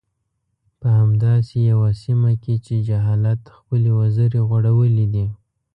په همداسې يوه سيمه کې چې جهالت خپلې وزرې غوړولي دي.